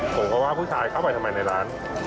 ผมก็ว่าผู้ชายเข้าไปทำไมในร้าน